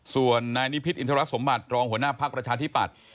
ส่วนนายนิพิศอินทรัสสมบัติรองหัวหน้าภาคประชาทิพัศน์